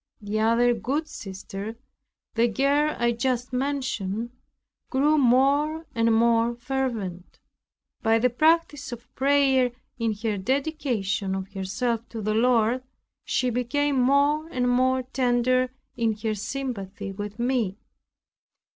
The other good sister, the girl I just mentioned, grew more and more fervent. By the practice of prayer in her dedication of herself to the Lord she became more and more tender in her sympathy with me.